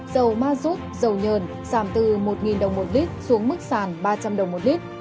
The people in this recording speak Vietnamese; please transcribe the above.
dầu mazut dầu nhờn giảm từ một đồng một lít xuống mức sàn ba trăm linh đồng một lít